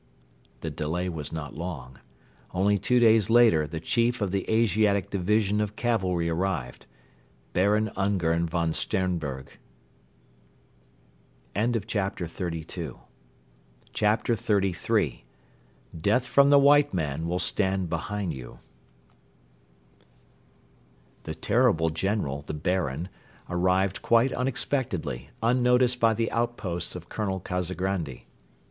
The delay was not long. Only two days later the Chief of the Asiatic Division of Cavalry arrived Baron Ungern von Sternberg. CHAPTER XXXIII "DEATH FROM THE WHITE MAN WILL STAND BEHIND YOU" "The terrible general, the Baron," arrived quite unexpectedly, unnoticed by the outposts of Colonel Kazagrandi.